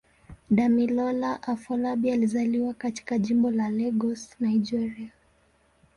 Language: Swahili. Damilola Afolabi alizaliwa katika Jimbo la Lagos, Nigeria.